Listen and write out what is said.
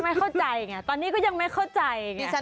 ไม่เข้าใจไงตอนนี้ก็ยังไม่เข้าใจ